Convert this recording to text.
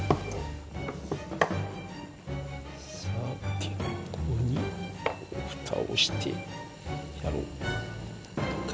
さてここにふたをしてやろうかな。